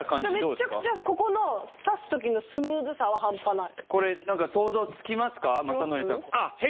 めっちゃくちゃここの差す時のスムーズさはハンパない